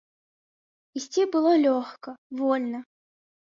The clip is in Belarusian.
Ісці было лёгка, вольна.